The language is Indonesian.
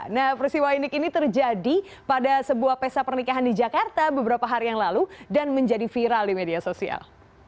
nah persiwa indik ini terjadi pada sebuah pesa pernikahan di jakarta beberapa hari yang lalu dan menjadi viral di media sosial